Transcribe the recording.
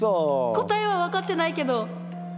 答えは分かってないけどあの。